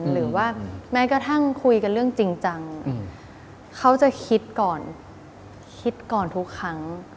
หรือว่าแม้กระทั่งคุยกันเรื่องจริงจังเขาจะคิดก่อนคิดก่อนทุกครั้ง